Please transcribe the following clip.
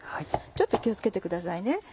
ちょっと気を付けてくださいね。